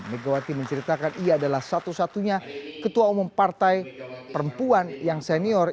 megawati menceritakan ia adalah satu satunya ketua umum partai perempuan yang senior